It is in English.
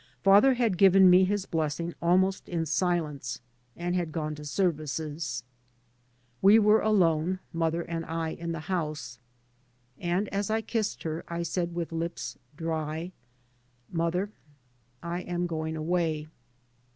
Father had given me his blessing almost in 3 by Google MY MOTHER AND I silence, and had gone to services. We were alone, mother and I, in the house. And as I kissed her I said with lips dry, " Mother, I am going away.